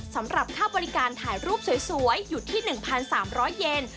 สำหรับค่าบริการถ่ายรูปสวยอยู่ที่๑๓๐๐เยน